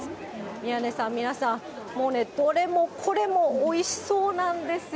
宮根さん、皆さん、もうね、どれもこれもおいしそうなんですよ。